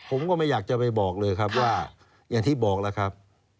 ผมก็ไม่อยากจะไปบอกเลยครับว่าอย่างที่บอกแล้วครับ